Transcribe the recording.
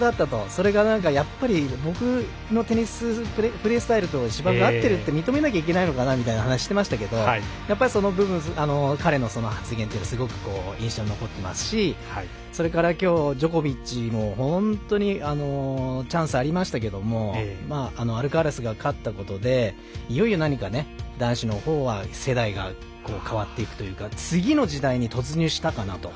それが、やっぱり僕のテニスプレースタイルと芝が合ってるって認めなきゃいけないのかなみたいな話、してましたけどその部分、彼のその発言って印象に残っていますしそれから今日ジョコビッチも本当にチャンスありましたけどアルカラスが勝ったことでいよいよ何かね、男子の方は世代が変わっていくというか次の時代に突入したかなと。